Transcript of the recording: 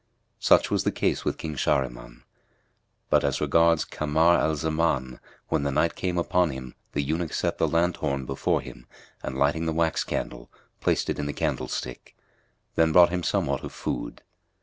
Such was the case with King Shahriman; but as regards Kamar al Zaman, when the night came upon him the eunuch set the lanthorn before him and lighting the wax candle, placed it in the candlestick; then brought him somewhat of food.